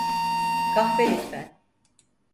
Kahve lütfen.